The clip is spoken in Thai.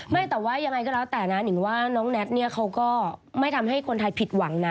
ไม่แต่ว่ายังไงก็แล้วแต่นะนิงว่าน้องแน็ตเนี่ยเขาก็ไม่ทำให้คนไทยผิดหวังนะ